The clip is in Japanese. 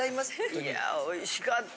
いやおいしかった。